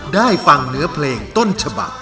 ได้ฟังเนื้อเพลงต้นฉบัก